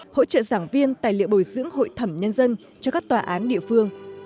hỗ trợ giảng viên tài liệu bồi dưỡng hội thẩm nhân dân cho các tòa án địa phương